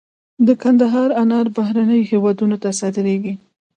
د کندهار انار بهرنیو هیوادونو ته صادریږي.